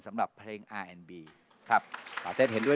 ไม่รู้เลย